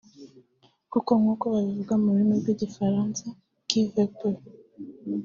kuko nk’uko babivuga mu rurimi rw’igifaransa “Qui veut peut”